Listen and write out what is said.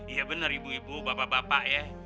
iya benar ibu ibu bapak bapak ya